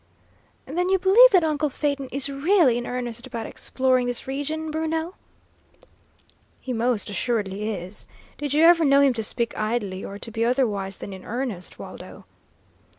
"Then you believe that uncle Phaeton is really in earnest about exploring this region, Bruno?" "He most assuredly is. Did you ever know him to speak idly, or to be otherwise than in earnest, Waldo?"